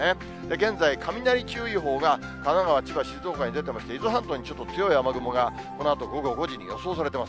現在、雷注意報が、神奈川、千葉、静岡に出てまして、伊豆半島にちょっと強い雨雲が、このあと、午後５時に予想されています。